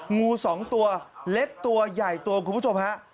งูสองตัวเล็กตัวใหญ่ตัวคุณผู้ชมฮะ